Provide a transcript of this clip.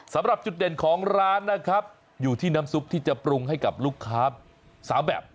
สำหรับจุดเด่นของร้านนะครับอยู่ที่น้ำซุปที่จะปรุงให้กับลูกค้าสาวแบบ